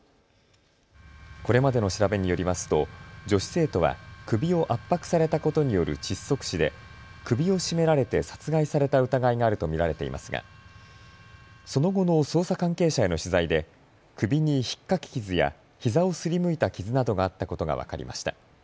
これまでの調べによりますと女子生徒は首を圧迫されたことによる窒息死で首を絞められて殺害された疑いがあると見られていますがその後の捜査関係者への取材で首にひっかき傷やひざをすりむいた傷などがあったことが分かりました。